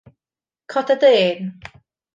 Coda dy ên.